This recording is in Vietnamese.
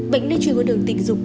bệnh lây truyền qua đường tình dục